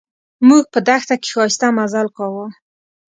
موږ په دښته کې ښایسته مزل کاوه.